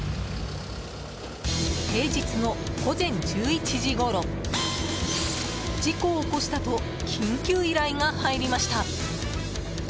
平日の午前１１時ごろ事故を起こしたと緊急依頼が入りました。